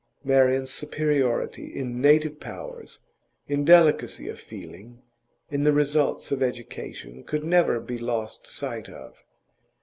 Marian's superiority in native powers, in delicacy of feeling, in the results of education, could never be lost sight of.